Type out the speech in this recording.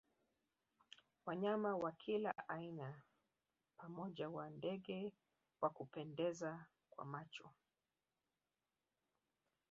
Wanyama wa kila aina pamoja wa ndege wa kupendeza kwa macho